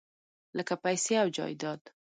لکه پیسې او جایداد .